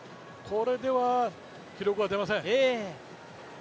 これでは記録は出ません。